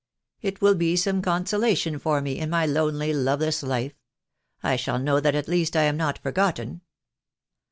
It will be some consolation for me in my lonely, loveless life. I shall know that at least I am not forgotten.'